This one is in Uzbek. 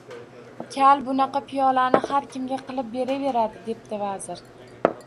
Kal bunaqa piyolani har kimga qilib beraveradi, debdi vazir